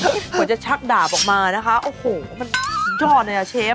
กว่าจะชักดาบออกมานะคะโอ้โฮมันยอดเลยนะเชฟ